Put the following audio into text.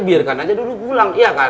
biarkan aja dulu pulang